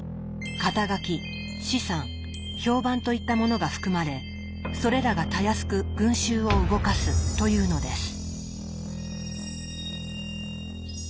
肩書資産評判といったものが含まれそれらがたやすく群衆を動かすというのです。